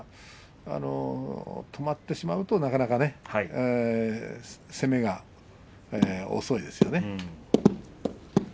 止まってしまうとなかなか攻めが遅いですよね。